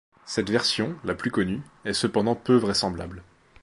Cette version, la plus connue, est cependant peu vraisemblable.